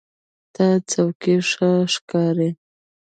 د تا چوکۍ ښه ښکاري